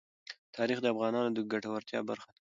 تاریخ د افغانانو د ګټورتیا برخه ده.